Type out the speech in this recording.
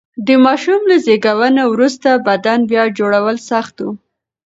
د ماشوم له زېږون وروسته بدن بیا جوړول سخت و.